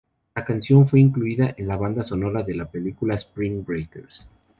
La canción fue incluida en la banda sonora de la película "Spring Breakers".